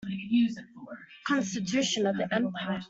Constitution of the empire.